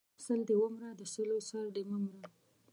سل دې و مره، د سلو سر دې مه مره!